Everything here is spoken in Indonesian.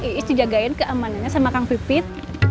iis dijagain keamanannya sama kang pipit